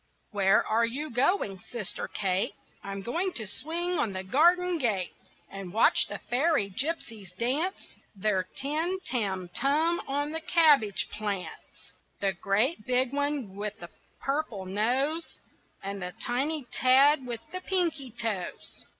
Where are you going, sister Kate? I'm going to swing on the garden gate, And watch the fairy gypsies dance Their tim tam tum on the cabbage plants The great big one with the purple nose, And the tiny tad with the pinky toes.